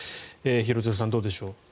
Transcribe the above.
廣津留さん、どうでしょう。